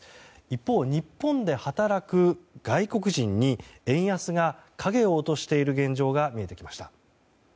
一方、日本で働く外国人に円安が影を落としている現状が見えてきました。